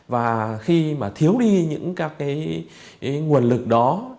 và khi mà thiếu đi những các cái nguồn lực đó